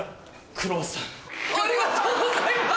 ありがとうございます！